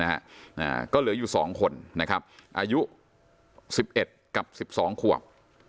อ่าก็เหลืออยู่สองคนนะครับอายุสิบเอ็ดกับสิบสองขวบ